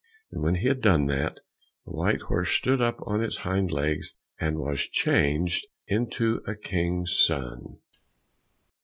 And when he had done that, the white horse stood up on its hind legs, and was changed into a King's son.